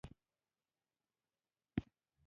صداقت د سوداګر زینت دی.